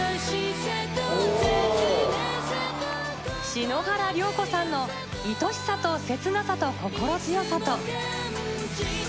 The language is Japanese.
篠原涼子さんの『恋しさとせつなさと心強さと』。